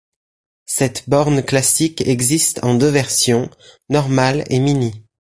Cette borne classique existe en deux versions, normale et mini.